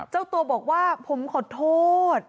เจ้าตัวบอกว่าผมขอโทษ